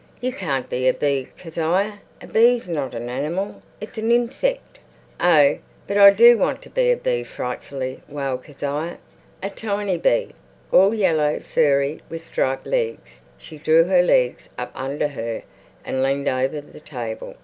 "You can't be a bee, Kezia. A bee's not an animal. It's a ninseck." "Oh, but I do want to be a bee frightfully," wailed Kezia.... A tiny bee, all yellow furry, with striped legs. She drew her legs up under her and leaned over the table.